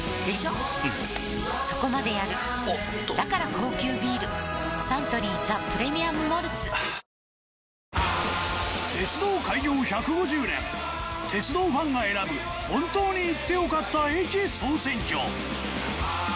うんそこまでやるおっとだから高級ビールサントリー「ザ・プレミアム・モルツ」はぁー鉄道開業１５０年『鉄道ファンが選ぶ本当に行ってよかった駅総選挙』。